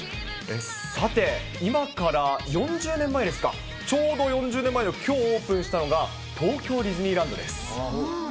さて、今から４０年前ですか、ちょうど４０年前のきょうオープンしたのが、東京ディズニーランドです。